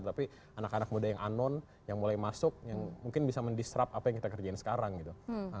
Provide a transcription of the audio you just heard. tapi anak anak muda yang unknown yang mulai masuk yang mungkin bisa mendisrup apa yang kita kerjain sekarang gitu